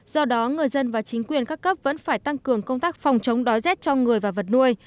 do đó người dân và chính quyền các cấp vẫn phải tăng cường công tác phòng chống đói rét cho người và vật nuôi